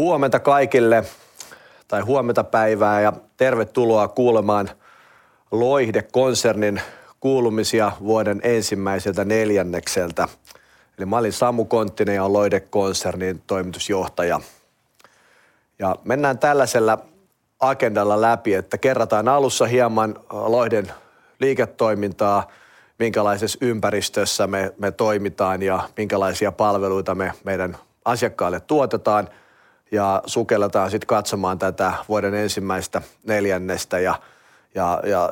Huomenta kaikille. Tai huomentapäivää ja tervetuloa kuulemaan Loihde-konsernin kuulumisia vuoden ensimmäiseltä neljännekseltä. Eli mä olen Samu Konttinen ja oon Loihde-konsernin toimitusjohtaja. Mennään tällaisella agendalla läpi, että kerrataan alussa hieman Loihden liiketoimintaa, minkälaisessa ympäristössä me toimitaan ja minkälaisia palveluita meidän asiakkaille tuotetaan. Sukelletaan sitten katsomaan tätä vuoden ensimmäistä neljännestä ja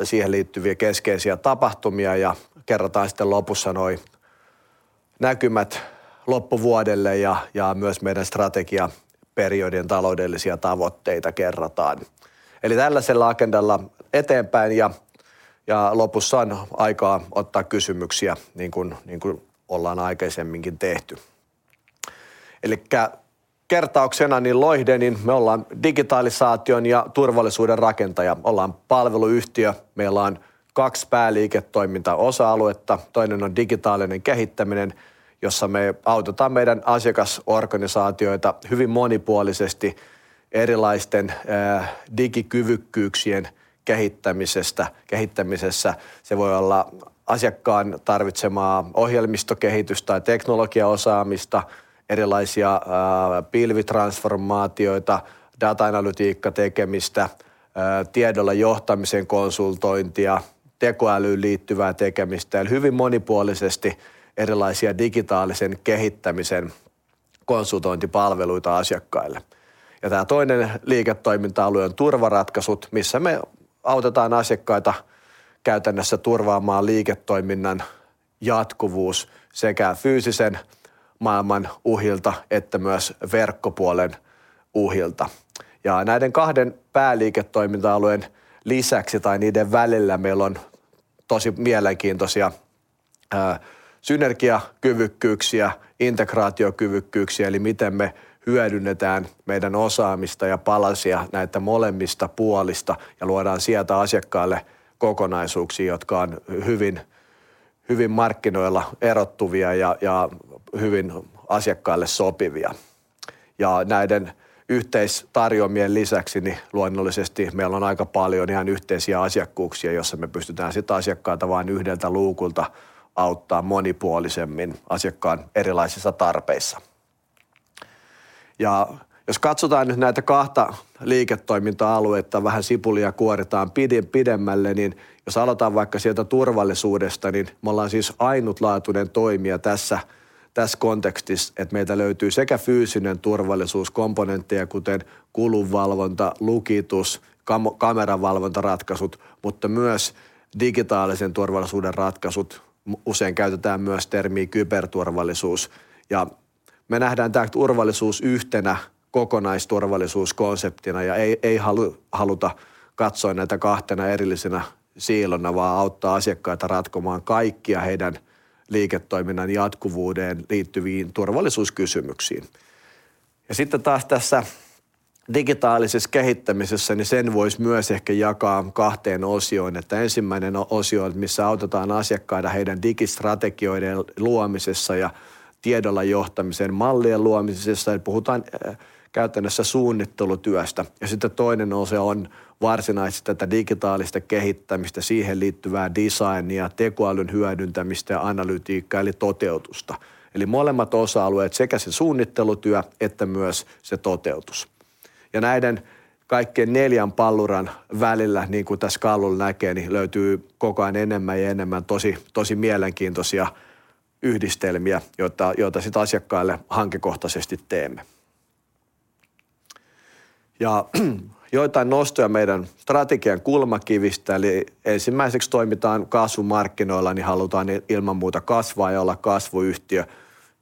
siihen liittyviä keskeisiä tapahtumia ja kerrataan sitten lopussa noi näkymät loppuvuodelle ja myös meidän strategiaperiodien taloudellisia tavoitteita kerrataan. Eli tällaisella agendalla eteenpäin ja lopussa on aikaa ottaa kysymyksiä niin kuin ollaan aikaisemminkin tehty. Elikkä kertauksena niin Loihde, niin me ollaan digitalisaation ja turvallisuuden rakentaja. Ollaan palveluyhtiö. Meillä on kaksi pääliiketoimintaosa-aluetta. Toinen on digitaalinen kehittäminen, jossa me autetaan meidän asiakasorganisaatioita hyvin monipuolisesti erilaisten digikyvykkyyksien kehittämisestä, kehittämisessä. Se voi olla asiakkaan tarvitsemaa ohjelmistokehitystä tai teknologiaosaamista, erilaisia pilvitransformaatioita, data-analytiikkatekemistä, tiedolla johtamisen konsultointia, tekoälyyn liittyvää tekemistä eli hyvin monipuolisesti erilaisia digitaalisen kehittämisen konsultointipalveluita asiakkaille. Tää toinen liiketoiminta-alue on turvaratkaisut, missä me autetaan asiakkaita käytännössä turvaamaan liiketoiminnan jatkuvuus sekä fyysisen maailman uhilta että myös verkkopuolen uhilta. Näiden kahden pääliiketoiminta-alueen lisäksi tai niiden välillä meillä on tosi mielenkiintoisia synergiakyvykkyyksiä, integraatiokyvykkyyksiä, eli miten me hyödynnetään meidän osaamista ja palasia näistä molemmista puolista ja luodaan sieltä asiakkaille kokonaisuuksia, jotka on hyvin hyvin markkinoilla erottuvia ja hyvin asiakkaille sopivia. Näiden yhteistarjomien lisäksi niin luonnollisesti meillä on aika paljon ihan yhteisiä asiakkuuksia, joissa me pystytään sitten asiakkaita vain yhdeltä luukulta auttaa monipuolisemmin asiakkaan erilaisissa tarpeissa. Jos katsotaan nyt näitä kahta liiketoiminta-aluetta, vähän sipulia kuoritaan pidemmälle, niin jos aloitetaan vaikka sieltä turvallisuudesta, niin me ollaan siis ainutlaatuinen toimija tässä kontekstissa, että meiltä löytyy sekä fyysinen turvallisuus, komponentteja, kuten kulunvalvonta, lukitus, kameravalvontaratkaisut, mutta myös digitaalisen turvallisuuden ratkaisut. Usein käytetään myös termiä kyberturvallisuus, ja me nähdään tämä turvallisuus yhtenä kokonaisturvallisuuskonseptina eikä haluta katsoa näitä kahtena erillisenä siilona, vaan auttaa asiakkaita ratkomaan kaikkia heidän liiketoiminnan jatkuvuuteen liittyviä turvallisuuskysymyksiä. Sitten taas tässä digitaalisessa kehittämisessä sen voisi myös ehkä jakaa kahteen osioon, että ensimmäinen osio, missä autetaan asiakkaita heidän digistrategioiden luomisessa ja tiedolla johtamisen mallien luomisessa. Puhutaan käytännössä suunnittelutyöstä. Sitten toinen osa on varsinaisesti tätä digitaalista kehittämistä, siihen liittyvää designia, tekoälyn hyödyntämistä ja analytiikkaa eli toteutusta. Eli molemmat osa-alueet, sekä se suunnittelutyö että myös se toteutus. Näiden kaikkien neljän palluran välillä, niin kuin tästä kalvolla näkee, niin löytyy koko ajan enemmän ja enemmän tosi mielenkiintoisia yhdistelmiä, joita sitten asiakkaille hankekohtaisesti teemme. Joitain nostoja meidän strategian kulmakivistä. Ensimmäiseksi toimitaan kasvumarkkinoilla, niin halutaan ilman muuta kasvaa ja olla kasvuyhtiö.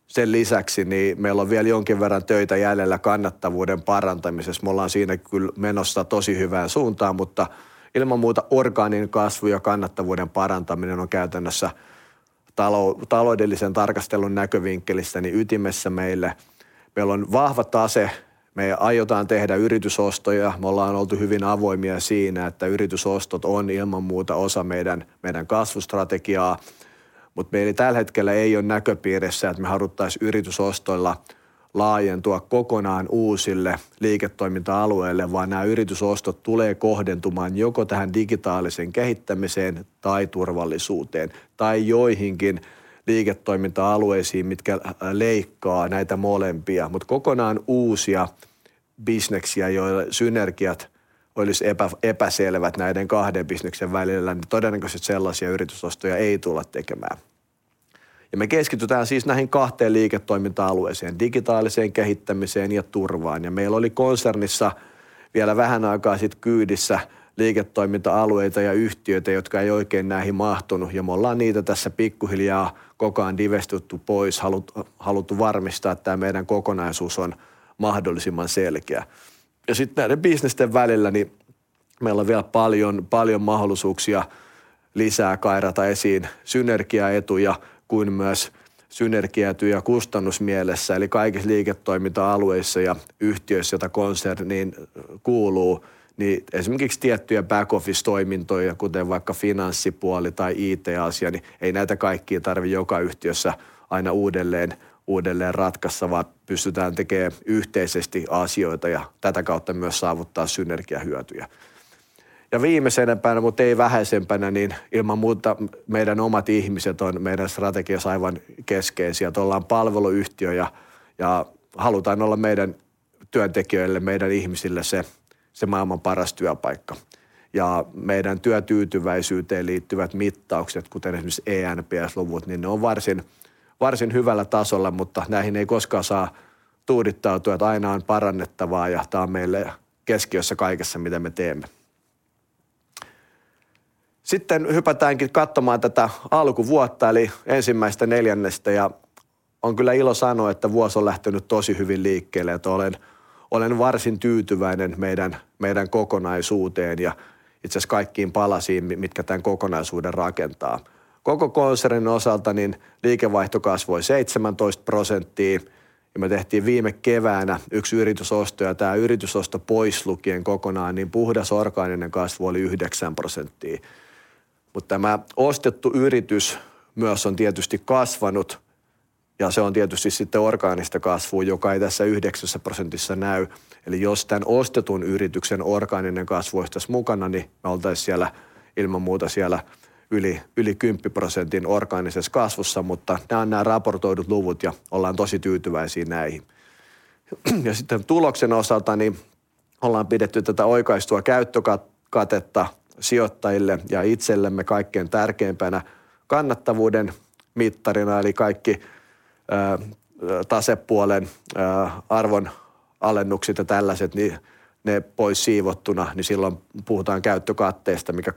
Sen lisäksi niin meillä on vielä jonkin verran töitä jäljellä kannattavuuden parantamisessa. Me ollaan siinä kyllä menossa tosi hyvään suuntaan, mutta ilman muuta orgaaninen kasvu ja kannattavuuden parantaminen on käytännössä taloudellisen tarkastelun näkövinkkelistä niin ytimessä meille. Meillä on vahva tase. Me aiotaan tehdä yritysostoja. Me ollaan oltu hyvin avoimia siinä, että yritysostot on ilman muuta osa meidän kasvustrategiaa, mutta meillä tällä hetkellä ei ole näköpiirissä, että me haluttais yritysostoilla laajentua kokonaan uusille liiketoiminta-alueille, vaan nää yritysostot tulee kohdentumaan joko tähän digitaaliseen kehittämiseen tai turvallisuuteen tai joihinkin liiketoiminta-alueisiin, mitkä leikkaa näitä molempia. Kokonaan uusia bisneksiä, joille synergiat olisi epäselvät näiden kahden bisneksen välillä, niin todennäköisesti sellaisia yritysostoja ei tulla tekemään. Me keskitytään siis näihin kahteen liiketoiminta-alueeseen, digitaaliseen kehittämiseen ja turvaan. Meillä oli konsernissa vielä vähän aikaa sitten kyydissä liiketoiminta-alueita ja yhtiöitä, jotka ei oikein näihin mahtunut, ja me ollaan niitä tässä pikkuhiljaa koko ajan divestattu pois. Haluttu varmistaa, että tää meidän kokonaisuus on mahdollisimman selkeä. Sitten näiden bisnesten välillä, niin meillä on vielä paljon mahdollisuuksia lisää kairata esiin synergiaetuja kuin myös synergiaetuja kustannusmielessä. Kaikissa liiketoiminta-alueissa ja yhtiöissä, joita konserniin kuuluu, niin esimerkiksi tiettyjä back office -toimintoja, kuten vaikka finanssipuoli tai IT-asia, niin ei näitä kaikkia tarvitse joka yhtiössä aina uudelleen ratkaista, vaan pystytään tekemään yhteisesti asioita ja tätä kautta myös saavuttaa synergiahyötyjä. Viimeisimpänä mutta ei vähäisimpänä, niin ilman muuta meidän omat ihmiset on meidän strategiassa aivan keskeisiä. Me ollaan palveluyhtiö ja halutaan olla meidän työntekijöille, meidän ihmisille se maailman paras työpaikka. Meidän työtyytyväisyyteen liittyvät mittaukset, kuten esimerkiksi eNPS-luvut, niin ne on varsin hyvällä tasolla, mutta näihin ei koskaan saa tuudittautua, että aina on parannettavaa ja tää on meille keskiössä kaikessa, mitä me teemme. Hypätäänkin katsomaan tätä alkuvuotta eli ensimmäistä neljännettä. On kyllä ilo sanoa, että vuosi on lähtenyt tosi hyvin liikkeelle. Että olen varsin tyytyväinen meidän kokonaisuuteen ja itse asiassa kaikkiin palasiin, mitkä tän kokonaisuuden rakentaa. Koko konsernin osalta niin liikevaihto kasvoi 17% ja me tehtiin viime keväänä yksi yritysosto ja tää yritysosto pois lukien kokonaan, niin puhdas orgaaninen kasvu oli 9%. Tämä ostettu yritys myös on tietysti kasvanut ja se on tietysti sitten orgaanista kasvua, joka ei tässä 9%:ssa näy. Jos tän ostetun yrityksen orgaaninen kasvu olisi tässä mukana, niin me oltaisiin siellä ilman muuta yli 10% orgaanisessa kasvussa. Nää on raportoidut luvut ja ollaan tosi tyytyväisiä näihin. Tuloksen osalta ollaan pidetty tätä oikaistua käyttökatetta sijoittajille ja itsellemme kaikkein tärkeimpänä kannattavuuden mittarina. Kaikki tasepuolen arvonalennukset ja tällaiset niin ne pois siivottuna, niin silloin puhutaan käyttökatteesta, mikä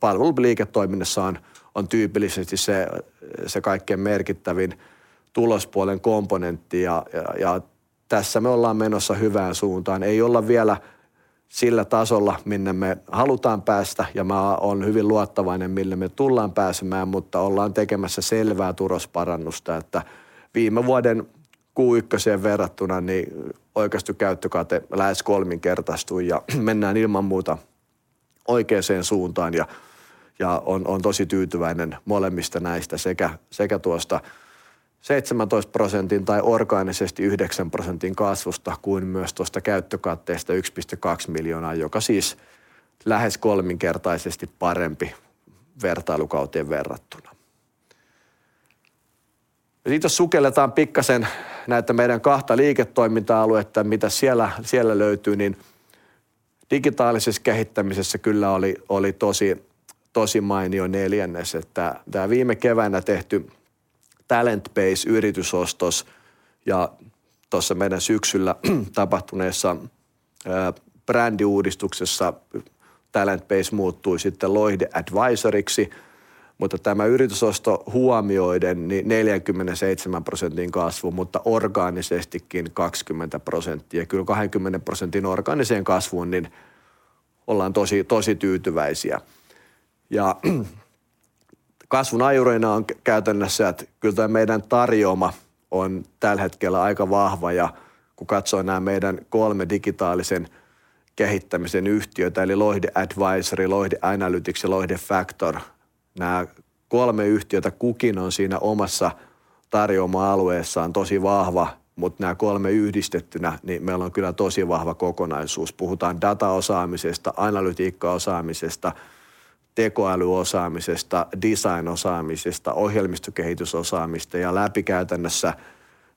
palveluliiketoiminnassa on tyypillisesti se kaikkein merkittävin tulospuolen komponentti. Tässä me ollaan menossa hyvään suuntaan. Ei olla vielä sillä tasolla, minne me halutaan päästä. Mä oon hyvin luottavainen mille me tullaan pääsemään, mutta ollaan tekemässä selvää tulosparannusta, että viime vuoden Q1:een verrattuna niin oikaistu käyttökate lähes kolminkertaistui ja mennään ilman muuta oikeaan suuntaan ja oon tosi tyytyväinen molemmista näistä sekä tuosta 17% tai orgaanisesti 9% kasvusta kuin myös tuosta käyttökatteesta EUR 1.2 miljoonaa, joka siis lähes kolminkertaisesti parempi vertailukauteen verrattuna. Sitten jos sukelletaan pikkaisen näitä meidän kahta liiketoiminta-aluetta, mitä sieltä löytyy, niin digitaalisessa kehittämisessä oli tosi mainio neljännes, että tää viime keväänä tehty Talent Base -yritysosto ja tuossa meidän syksyllä tapahtuneessa brändiuudistuksessa Talent Base muuttui sitten Loihde Advisoryksi. Mutta tämä yritysosto huomioiden niin 47% kasvu, mutta orgaanisestikin 20 prosenttia. Kyllä 20% orgaaniseen kasvuun ollaan tosi tyytyväisiä. Kasvun ajurina on käytännössä, että kyllä tää meidän tarjooma on tällä hetkellä aika vahva. Kun katsoo näitä meidän kolme digitaalisen kehittämisen yhtiötä eli Loihde Advisory, Loihde Analytics ja Loihde Factor. Nää kolme yhtiötä kukin on siinä omassa tarjoama-alueessaan tosi vahva, mutta nää kolme yhdistettynä, niin meillä on kyllä tosi vahva kokonaisuus. Puhutaan dataosaamisesta, analytiikkaosaamisesta, tekoälyosaamisesta, designosaamisesta, ohjelmistokehitysosaamisesta ja läpi käytännössä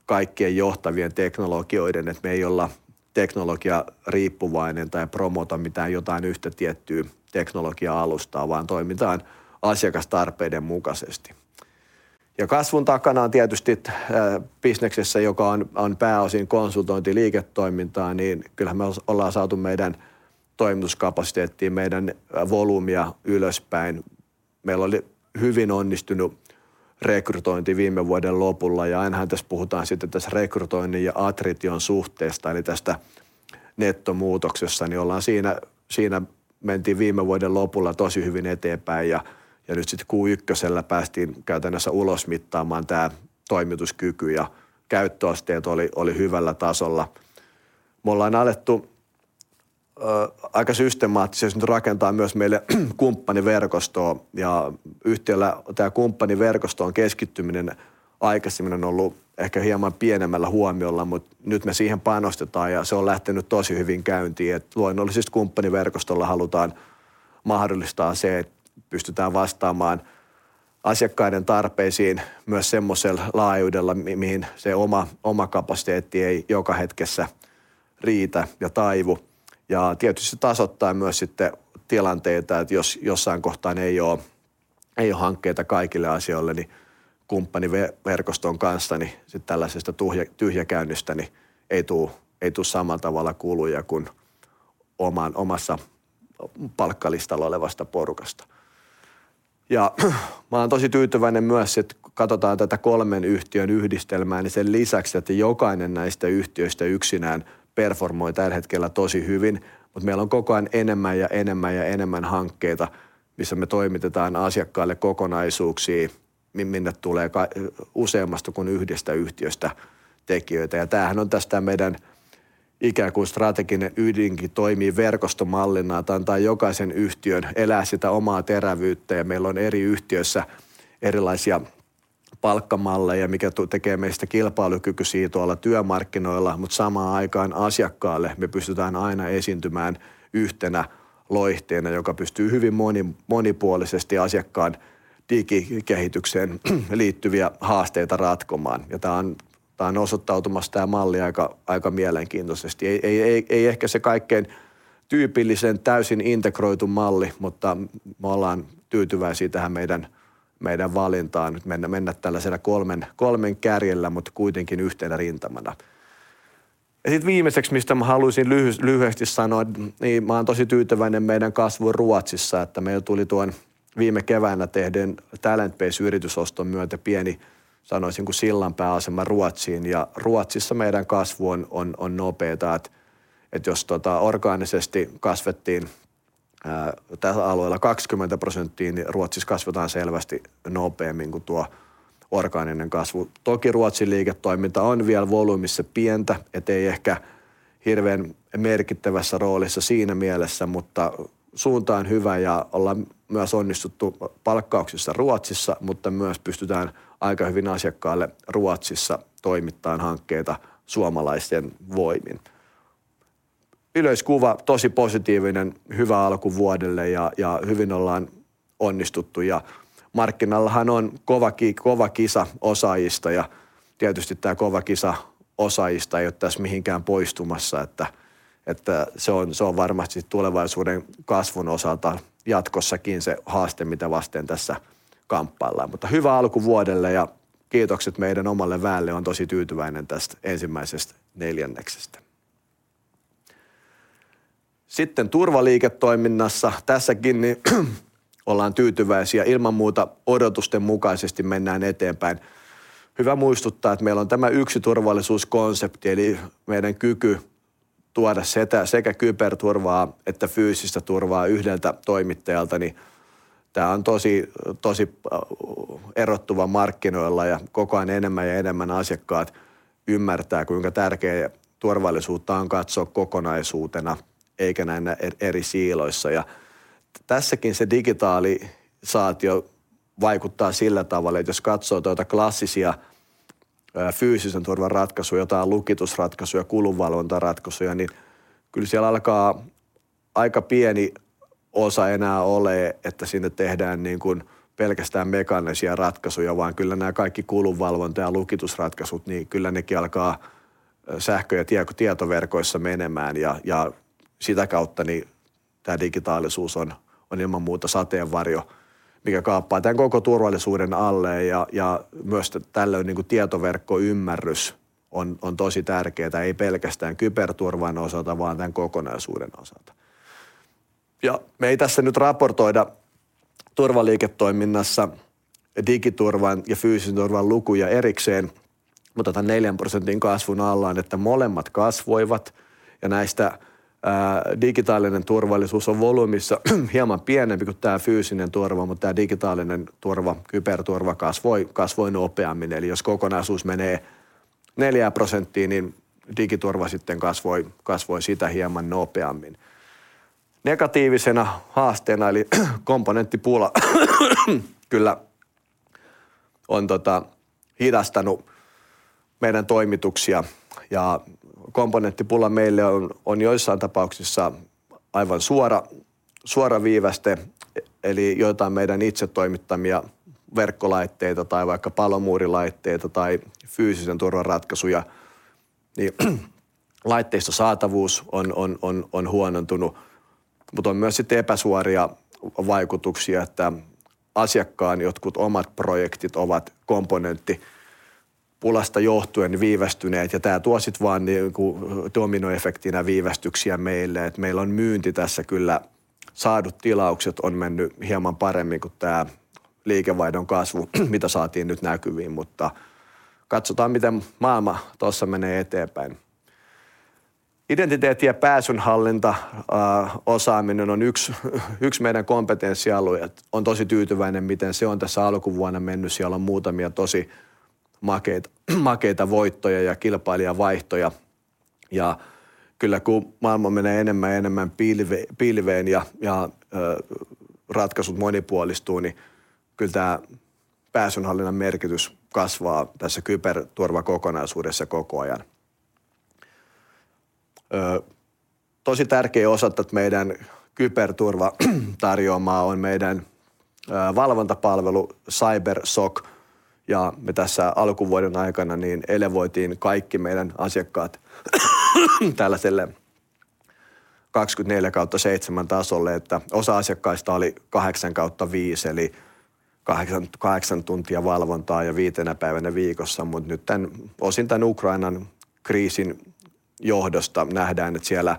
kaikkien johtavien teknologioiden. Että me ei olla teknologiariippuvainen tai promota mitään jotain yhtä tiettyä teknologia-alustaa, vaan toimitaan asiakastarpeiden mukaisesti. Kasvun takana on tietysti, bisneksessä, joka on pääosin konsultointiliiketoimintaa, niin kyllähän me ollaan saatu meidän toimituskapasiteettiin meidän volyymia ylöspäin. Meillä oli hyvin onnistunut rekrytointi viime vuoden lopulla ja ainahan tässä puhutaan sitten tästä rekrytoinnin ja attrition suhteesta eli tästä nettomuutoksesta, niin ollaan siinä mentiin viime vuoden lopulla tosi hyvin eteenpäin ja nyt sitten Q1:llä päästiin käytännössä ulosmittaamaan tää toimituskyky ja käyttöasteet oli hyvällä tasolla. Me ollaan alettu aika systemaattisesti nyt rakentaa myös meille kumppaniverkostoa ja yhtiöllä tää kumppaniverkostoon keskittyminen aikaisemmin on ollut ehkä hieman pienemmällä huomiolla, mutta nyt me siihen panostetaan ja se on lähtenyt tosi hyvin käyntiin. Luonnollisesti kumppaniverkostolla halutaan mahdollistaa se, että pystytään vastaamaan asiakkaiden tarpeisiin myös semmoisella laajuudella, mihin se oma kapasiteetti ei joka hetkessä riitä ja taivu. Tietysti se tasoittaa myös sitten tilanteita, että jos jossain kohtaa ei ole hankkeita kaikille asioille, niin kumppaniverkoston kanssa niin tällaisesta tyhjäkäynnistä ei tule samalla tavalla kuluja kuin omassa palkkalistalla olevasta porukasta. Mä olen tosi tyytyväinen myös, että kun katsotaan tätä kolmen yhtiön yhdistelmää, niin sen lisäksi, että jokainen näistä yhtiöistä yksinään performoi tällä hetkellä tosi hyvin, mutta meillä on koko ajan enemmän ja enemmän ja enemmän hankkeita, missä me toimitetaan asiakkaalle kokonaisuuksia, minne tulee kai useammasta kuin yhdestä yhtiöstä tekijöitä. Tämähän on tässä tämä meidän ikään kuin strateginen ydin toimii verkostomallina. Se antaa jokaisen yhtiön elää sitä omaa terävyyttä ja meillä on eri yhtiöissä erilaisia palkkamalleja, mikä tekee meistä kilpailukykyisiksi tuolla työmarkkinoilla, mutta samaan aikaan asiakkaalle me pystytään aina esiintymään yhtenä Loihdena, joka pystyy hyvin monipuolisesti asiakkaan digikehitykseen liittyviä haasteita ratkomaan. Tämä on osoittautumassa tämä malli aika mielenkiintoisesti. Ei ehkä se kaikkein tyypillisin täysin integroitu malli, mutta me ollaan tyytyväisiä tähän meidän valintaan nyt mennä tällaisella kolmen kärjellä, mutta kuitenkin yhtenä rintamana. Sitten viimeiseksi, mistä mä haluisin lyhyesti sanoa, niin mä oon tosi tyytyväinen meidän kasvuun Ruotsissa, että meille tuli tuon viime keväänä tehdyn Talent Base -yritysoston myötä pieni, sanoisinko sillanpääasema Ruotsiin ja Ruotsissa meidän kasvu on nopeaa, että jos tota orgaanisesti kasvettiin tällä alueella 20 %, niin Ruotsissa kasvetaan selvästi nopeemmin kuin tuo orgaaninen kasvu. Toki Ruotsin liiketoiminta on vielä volyymissa pientä, että ei ehkä hirveän merkittävässä roolissa siinä mielessä, mutta suunta on hyvä ja ollaan myös onnistuttu palkkauksissa Ruotsissa, mutta myös pystytään aika hyvin asiakkaalle Ruotsissa toimittaa hankkeita suomalaisten voimin. Yleiskuva tosi positiivinen, hyvä alku vuodelle ja hyvin ollaan onnistuttu. Markkinallahan on kova kisa osaajista. Tietysti tää kova kisa osaajista ei oo täs mihinkään poistumassa, että se on varmasti tulevaisuuden kasvun osalta jatkossakin se haaste, mitä vasten tässä kamppaillaan. Hyvä alku vuodelle ja kiitokset meidän omalle väelle. Oon tosi tyytyväinen tästä ensimmäisestä neljänneksestä. Turvaliiketoiminnassa. Tässäkin, niin ollaan tyytyväisiä. Ilman muuta odotusten mukaisesti mennään eteenpäin. Hyvä muistuttaa, että meillä on tämä yksi turvallisuuskonsepti, eli meidän kyky tuoda sekä kyberturvaa että fyysistä turvaa yhdeltä toimittajalta, niin tämä on tosi erottuva markkinoilla ja koko ajan enemmän ja enemmän asiakkaat ymmärtää, kuinka tärkeää turvallisuutta on katsoa kokonaisuutena eikä näin eri siiloissa. Tässäkin se digitalisaatio vaikuttaa sillä tavalla, että jos katsoo tuota klassisia fyysisen turvan ratkaisuja, jotain lukitusratkaisuja, kulunvalvontaratkaisuja, niin kyllä siellä alkaa aika pieni osa enää olla, että sinne tehdään niin kuin pelkästään mekaanisia ratkaisuja, vaan kyllä nämä kaikki kulunvalvonta- ja lukitusratkaisut, niin kyllä nekin alkaa sähkö- ja tietoverkoissa menemään ja sitä kautta niin tämä digitalisaatio on ilman muuta sateenvarjo, mikä kaappaa tämän koko turvallisuuden alleen ja myös tällöin niin kuin tietoverkko-ymmärrys on tosi tärkeää. Ei pelkästään kyberturvan osalta, vaan tämän kokonaisuuden osalta. Me ei tässä nyt raportoida turvaliiketoiminnassa digiturvan ja fyysisen turvan lukuja erikseen, mutta tän 4% kasvun alla on, että molemmat kasvoivat ja näistä digitaalinen turvallisuus on volyymissa hieman pienempi kuin tää fyysinen turva, mutta tää digitaalinen turva, kyberturva kasvoi nopeammin. Eli jos kokonaisuus menee 4%, niin digiturva sitten kasvoi sitä hieman nopeammin. Negatiivisena haasteena eli komponenttipula kyllä on hidastanut meidän toimituksia ja komponenttipula meille on joissain tapauksissa aivan suora viivaste. Eli joitain meidän itse toimittamia verkkolaitteita tai vaikka palomuurilaitteita tai fyysisen turvan ratkaisuja, niin laitteistosaatavuus on huonontunut, mutta on myös epäsuoria vaikutuksia, että asiakkaan jotkut omat projektit ovat komponenttipulasta johtuen viivästyneet ja tää tuo sit vaan niinku dominoefektinä viivästyksiä meille, että meillä on myynti tässä kyllä saadut tilaukset on menneet hieman paremmin kuin tää liikevaihdon kasvu, mitä saatiin nyt näkyviin, mutta katsotaan, miten maailma tossa menee eteenpäin. Identiteetti- ja pääsynhallinta-osaaminen on yksi meidän kompetenssialue. Oon tosi tyytyväinen, miten se on tässä alkuvuonna mennyt. Siellä on muutamia tosi makeita voittoja ja kilpailijavaihtoja. Kyllä kun maailma menee enemmän ja enemmän pilveen ja ratkaisut monipuolistuu, niin kyllä tämän pääsynhallinnan merkitys kasvaa tässä kyberturvallisuuskokonaisuudessa koko ajan. Tosi tärkeä osa tätä meidän kyberturvallisuustarjoomaa on meidän valvontapalvelu CSOC, ja me tässä alkuvuoden aikana niin elevoitiin kaikki meidän asiakkaat tällaiselle 24/7 tasolle, että osa asiakkaista oli 8/5 eli 8 tuntia valvontaa ja 5 päivänä viikossa. Nyt tämän osalta tämän Ukrainan kriisin johdosta nähdään, että siellä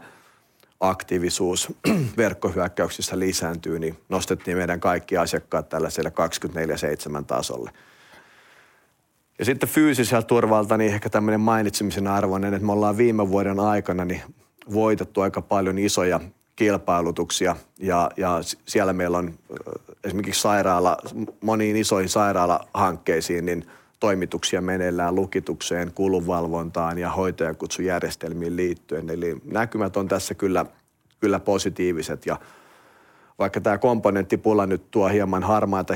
aktiivisuus verkkohyökkäyksissä lisääntyy, niin nostettiin meidän kaikki asiakkaat tällaiselle 24/7 tasolle. Sitten fyysiseltä turvalta, niin ehkä tällainen mainitsemisen arvoinen, että me ollaan viime vuoden aikana niin voitettu aika paljon isoja kilpailutuksia, ja siellä meillä on esimerkiksi moniin isoihin sairaalahankkeisiin niin toimituksia meneillään lukitukseen, kulunvalvontaan ja hoitajankutsujärjestelmiin liittyen. Näkymät on tässä kyllä positiiviset ja vaikka tämä komponenttipula nyt tuo hieman harmaita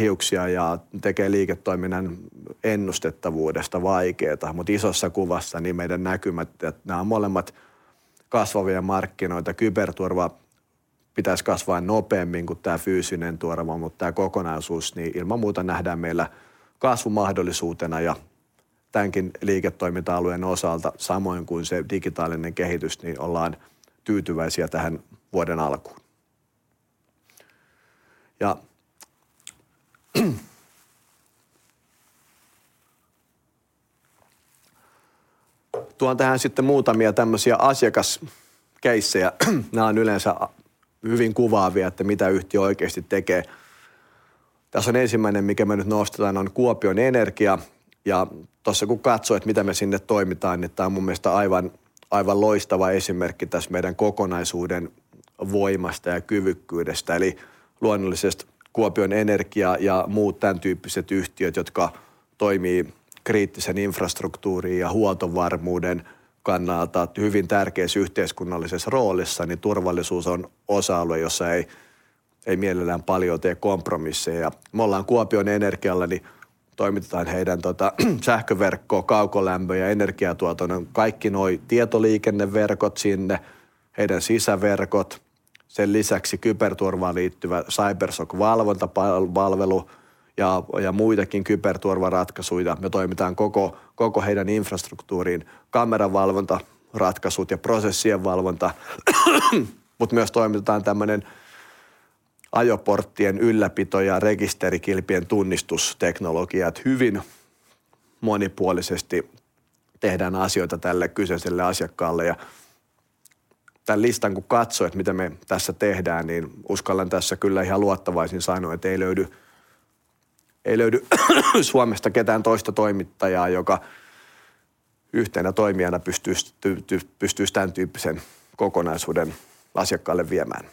hiuksia ja tekee liiketoiminnan ennustettavuudesta vaikeaa, mutta isossa kuvassa niin meidän näkymät, että nämä on molemmat kasvavia markkinoita. Kyberturva pitäisi kasvaa nopeemmin kuin tämä fyysinen turva, mutta tämä kokonaisuus niin ilman muuta nähdään meillä kasvumahdollisuutena ja tämänkin liiketoiminta-alueen osalta, samoin kuin se digitaalinen kehitys, niin ollaan tyytyväisiä tähän vuoden alkuun. Sitten tuon tähän muutamia tällaisia asiakascaseja. Nämä on yleensä hyvin kuvaavia, että mitä yhtiö oikeasti tekee. Tässä on ensimmäinen mikä me nyt nostetaan, on Kuopion Energia. Tossa kun katsoo, et miten me sinne toimitaan, niin tää on mun mielestä aivan loistava esimerkki täs meidän kokonaisuuden voimasta ja kyvykkyydestä. Luonnollisesti Kuopion Energia ja muut tän tyyppiset yhtiöt, jotka toimii kriittisen infrastruktuurin ja huoltovarmuuden kannalta hyvin tärkees yhteiskunnallisessa roolissa, niin turvallisuus on osa-alue, jossa ei mielellään paljoa tee kompromisseja. Me ollaan Kuopion Energialle, niin toimitetaan heidän tota sähköverkko, kaukolämpö ja energiantuotannon kaikki noi tietoliikenneverkot sinne, heidän sisäverkot. Sen lisäksi kyberturvaan liittyvä CSOC-valvontapalvelu ja muitakin kyberturvaratkaisuja. Me toimitetaan koko heidän infrastruktuuriin kameravalvontaratkaisut ja prosessien valvonta, mut myös toimitetaan tämmönen ajoporttien ylläpito ja rekisterikilpien tunnistusteknologia, et hyvin monipuolisesti tehdään asioita tälle kyseiselle asiakkaalle. Tän listan kun katsoo, et mitä me tässä tehdään, niin uskallan tässä kyllä ihan luottavaisin sanoin, et ei löydy Suomesta ketään toista toimittajaa, joka yhtenä toimijana pystys tän tyyppisen kokonaisuuden asiakkaalle viemään.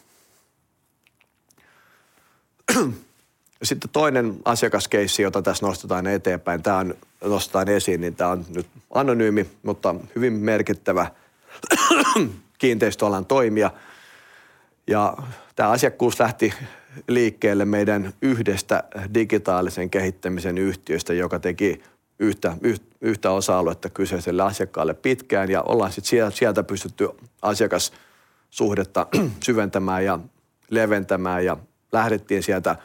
Toinen asiakascase, jota tässä nostetaan eteenpäin. Nostetaan esiin, tämä on nyt anonyymi, mutta hyvin merkittävä kiinteistöalan toimija. Tämä asiakkuus lähti liikkeelle meidän yhdestä digitaalisen kehittämisen yhtiöstä, joka teki yhtä yhtä osa-aluetta kyseiselle asiakkaalle pitkään ja ollaan sitten sieltä pystytty asiakassuhdetta syventämään ja leventämään ja lähdettiin sieltä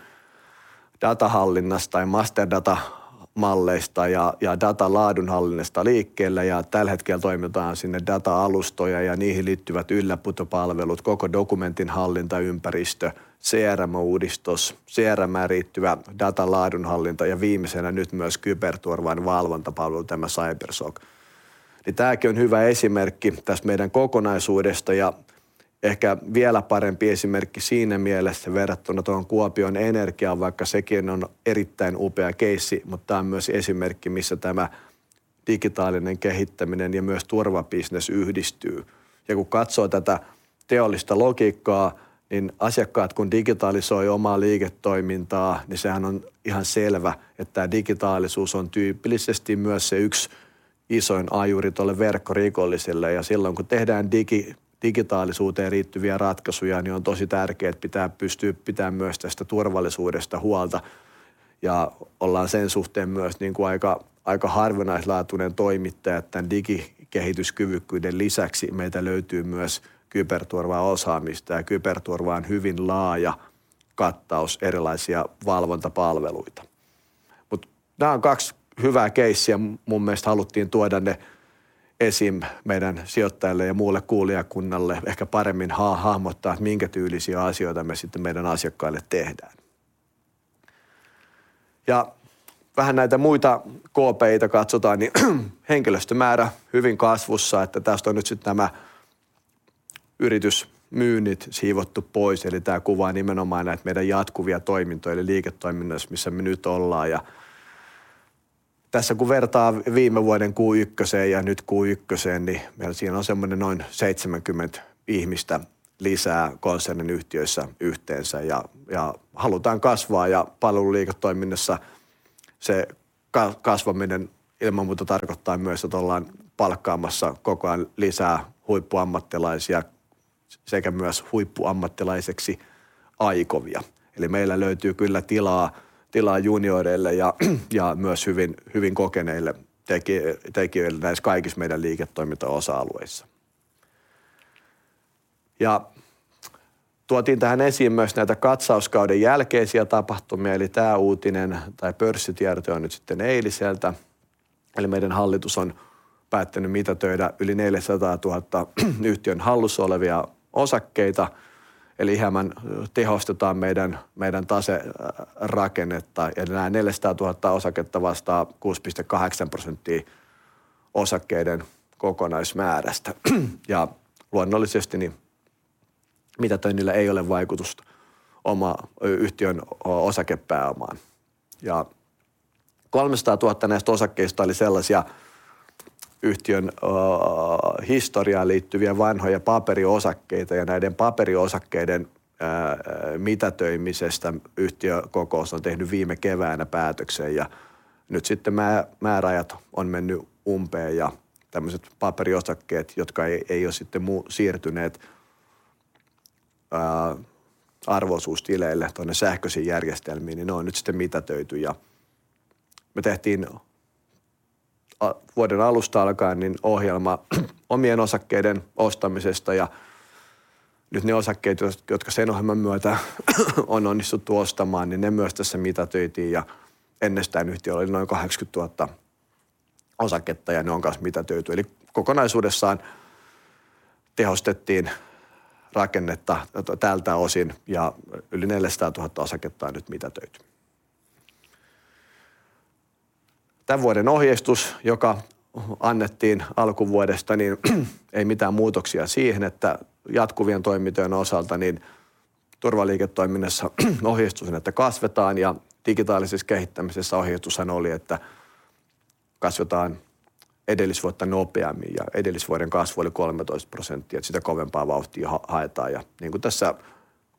datahallinnasta ja master datamalleista ja datan laadunhallinnasta liikkeelle. Tällä hetkellä toimitetaan sinne data-alustoja ja niihin liittyvät ylläpitopalvelut, koko dokumentinhallintaympäristö, CRM-uudistus, CRM:ään liittyvä datan laadunhallinta ja viimeisenä nyt myös kyberturvan valvontapalvelu, tämä CSOC. Tämäkin on hyvä esimerkki tästä meidän kokonaisuudesta ja ehkä vielä parempi esimerkki siinä mielessä verrattuna siihen Kuopion Energiaan, vaikka sekin on erittäin upea case. Tämä on myös esimerkki, missä tämä digitaalinen kehittäminen ja myös turvabisnes yhdistyy. Kun katsoo tätä teollista logiikkaa, niin asiakkaat kun digitalisoi omaa liiketoimintaa, niin sehän on ihan selvä, että tää digitaalisuus on tyypillisesti myös se yks isoin ajuri tolle verkkorikollisille. Silloin kun tehdään digitaalisuuteen liittyviä ratkaisuja, niin on tosi tärkeet pitää pitään myös tästä turvallisuudesta huolta. Ollaan sen suhteen myös niinku aika harvinaislaatuinen toimittaja, et tän digikehityskyvykkyyden lisäksi meiltä löytyy myös kyberturvaosaamista ja kyberturva on hyvin laaja kattaus erilaisia valvontapalveluita. Nää on 2 hyvää casea mun mielest, haluttiin tuoda ne esiin meidän sijoittajille ja muulle kuulijakunnalle ehkä paremmin hahmottaa, et minkä tyylisiä asioita me sitten meidän asiakkaille tehdään. Vähän näitä muita KPIta katsotaan, niin henkilöstömäärä hyvin kasvussa, että täästä on nyt sit nämä yritysmyynnit siivottu pois. Tää kuvaa nimenomaan näitä meidän jatkuvia toimintoja eli liiketoiminnassa, missä me nyt ollaan. Tässä kun vertaa viime vuoden Q1:een ja nyt Q1:een, niin meillä siinä on semmonen noin 70 ihmistä lisää konsernin yhtiöissä yhteensä ja halutaan kasvaa. Palveluliiketoiminnassa se kasvaminen ilman muuta tarkoittaa myös, että ollaan palkkaamassa koko ajan lisää huippuammattilaisia sekä myös huippuammattilaiseksi aikovia. Meillä löytyy kyllä tilaa junioreille ja myös hyvin kokeneille tekijöille näissä kaikissa meidän liiketoiminta-osa-alueissa. Tuotiin tähän esiin myös näitä katsauskauden jälkeisiä tapahtumia. Tämä uutinen tai pörssitiedote on nyt sitten eiliseltä. Meidän hallitus on päättänyt mitätöidä yli 400,000 yhtiön hallussa olevia osakkeita. Hieman tehostetaan meidän omistusrakennetta ja nämä 400,000 osaketta vastaa 6.8% osakkeiden kokonaismäärästä. Luonnollisesti mitätöinnillä ei ole vaikutusta oman yhtiön osakepääomaan. 300,000 näistä osakkeista oli sellaisia yhtiön historiaan liittyviä vanhoja paperiosakkeita ja näiden paperiosakkeiden mitätöimisestä yhtiökokous on tehnyt viime keväänä päätöksen. Nyt sitten määräajat on menneet umpeen ja tällaiset paperiosakkeet, jotka ei oo sitten mu siirtyneet arvo-osuustileille tuonne sähköisiin järjestelmiin, niin ne on nyt sitten mitätöity. Me tehtiin vuoden alusta alkaen niin ohjelma omien osakkeiden ostamisesta, ja nyt ne osakkeet, jotka sen ohjelman myötä on onnistuttu ostamaan, niin ne myös tässä mitätöity ja ennestään yhtiöllä oli noin 80,000 osaketta ja ne on kans mitätöity. Eli kokonaisuudessaan tehostettiin rakennetta tältä osin ja yli 400,000 osaketta on nyt mitätöity. Tämän vuoden ohjeistus, joka annettiin alkuvuodesta, niin ei mitään muutoksia siihen, että jatkuvien toimintojen osalta niin turvaliiketoiminnassa ohjeistus on, että kasvetaan ja digitaalisessa kehittämisessä ohjeistus oli, että kasvetaan edellisvuotta nopeammin ja edellisvuoden kasvu oli 13 prosenttia. Että sitä kovempaa vauhtia haetaan. Niin kuin tässä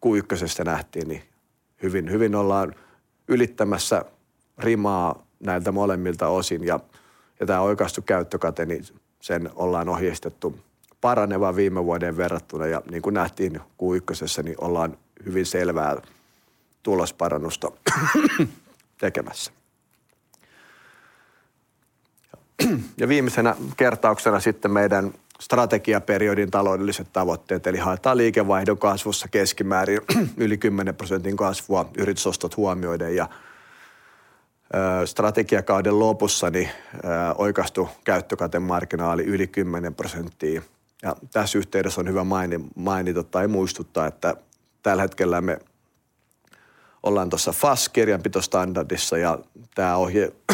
Q1:stä nähtiin, niin hyvin ollaan ylittämässä rimaa näiltä molemmilta osin. Tää oikaistu käyttökate, niin sen ollaan ohjeistettu paranevan viime vuoteen verrattuna. Niin kuin nähtiin Q1:ssä, niin ollaan hyvin selvää tulosparannusta tekemässä. Viimeisenä kertauksena sitten meidän strategiaperiodin taloudelliset tavoitteet, eli haetaan liikevaihdon kasvussa keskimäärin yli 10% kasvua yritysostot huomioiden ja strategiakauden lopussa ni oikaistu käyttökatemarginaali yli 10%. Tässä yhteydessä on hyvä mainita tai muistuttaa, että tällä hetkellä me ollaan tuossa FAS-kirjanpitostandardissa ja tää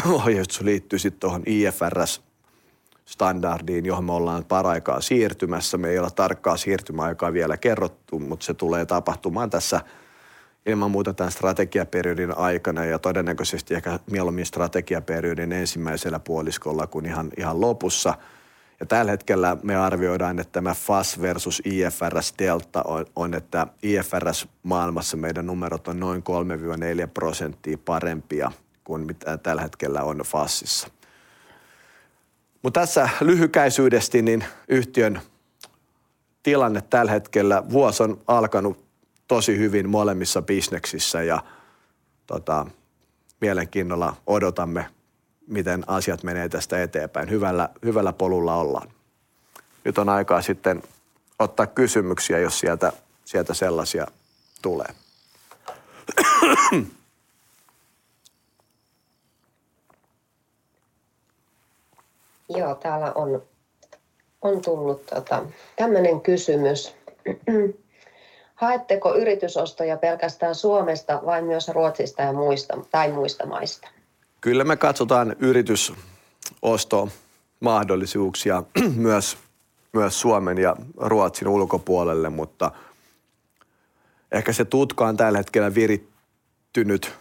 ohjeistus liittyy sitten siihen IFRS-standardiin, johon me ollaan paraikaa siirtymässä. Me ei olla tarkkaa siirtymäaikaa vielä kerrottu, mut se tulee tapahtumaan tässä ilman muuta tän strategiaperiodin aikana ja todennäköisesti ehkä mieluummin strategiaperiodin ensimmäisellä puoliskolla kuin ihan lopussa. Tällä hetkellä me arvioidaan, että tämä FAS versus IFRS delta on, että IFRS-maailmassa meidän numerot on noin 3.4% parempia kuin mitä tällä hetkellä on FASissa. Tässä lyhykäisyydessään yhtiön tilanne tällä hetkellä. Vuosi on alkanut tosi hyvin molemmissa bisneksissä ja mielenkiinnolla odotamme, miten asiat menee tästä eteenpäin. Hyvällä polulla ollaan. Nyt on aikaa sitten ottaa kysymyksiä, jos sieltä sellaisia tulee. Joo, täällä on tullut tämmönen kysymys. Haetteko yritysostoja pelkästään Suomesta vai myös Ruotsista ja muista maista? Kyllä me katsotaan yritysostomahdollisuuksia myös Suomen ja Ruotsin ulkopuolelle, mutta ehkä se tutka on tällä hetkellä virittynyt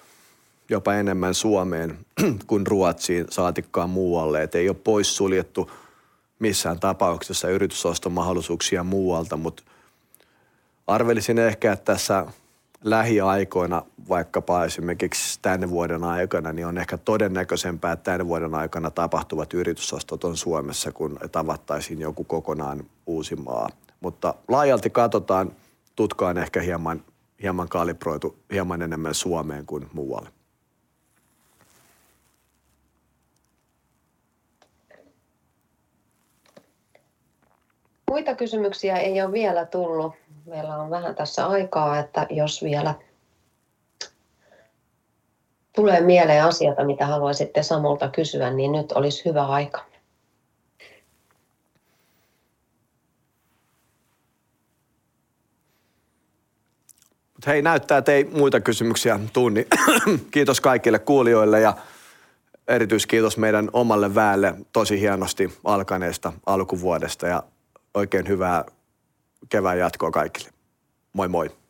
jopa enemmän Suomeen kuin Ruotsiin saatikkaan muualle. Ei oo poissuljettu missään tapauksessa yritysostomahdollisuuksia muualta, mut arvelisin ehkä, että tässä lähiaikoina, vaikkapa esimerkiksi tän vuoden aikana, niin on ehkä todennäköisempää, että tän vuoden aikana tapahtuvat yritysostot on Suomessa kuin että avattaisiin joku kokonaan uusi maa. Laajalti katsotaan. Tutka on ehkä hieman kalibroitu hieman enemmän Suomeen kuin muualle. Muita kysymyksiä ei oo vielä tullu. Meillä on vähän tässä aikaa, että jos vielä tulee mieleen asioita mitä haluaisitte Samulta kysyä, niin nyt olisi hyvä aika. Hei, näyttää että ei muita kysymyksiä tuu, niin kiitos kaikille kuulijoille ja erityiskiitos meidän omalle väelle tosi hienosti alkaneesta alkuvuodesta ja oikein hyvää kevään jatkoa kaikille. Moi moi.